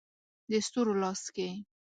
د ستورو لاس کې